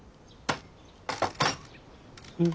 うん。